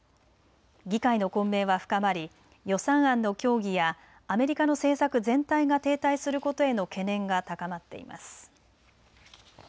議会の混迷は深まり予算案の協議やアメリカの政策全体が停滞することへの懸念が高まっています。